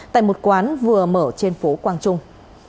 tại một quán vừa mở trên phố quang trung